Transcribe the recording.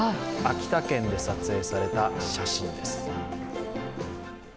秋田県で撮影された写真です。